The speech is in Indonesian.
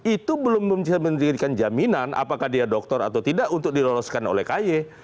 itu belum bisa menjadikan jaminan apakah dia doktor atau tidak untuk diloloskan oleh ky